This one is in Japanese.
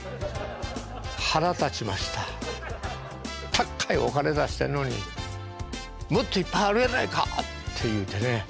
高いお金出してんのにもっといっぱいあるやないかって言うてね。